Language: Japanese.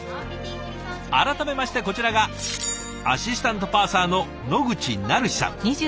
改めましてこちらがアシスタントパーサーの野口愛陽さん。